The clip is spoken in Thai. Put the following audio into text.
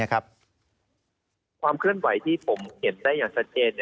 ความเคลื่อนไหวที่ผมเห็นได้อย่างชัดเจน